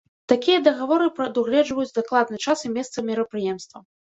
Такія дагаворы прадугледжваюць дакладны час і месца мерапрыемства.